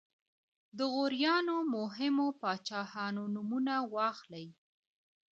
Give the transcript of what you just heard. د غوریانو مهمو پاچاهانو نومونه واخلئ.